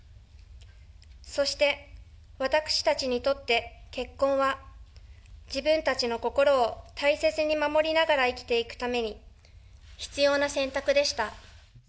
そして私たちにとって結婚は、自分たちの心を大切に守りながら生きていくために、必要な選択でした。